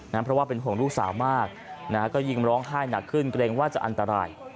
เพราะว่าเป็นห่วงลูกสาวมากนะฮะก็ยิ่งร้องไห้หนักขึ้นเกรงว่าจะอันตราย